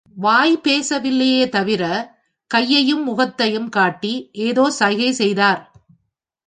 வாய் பேசவில்லையே தவிர, கையையும் முகத்தையும் காட்டி ஏதோ சைகை செய்தார்.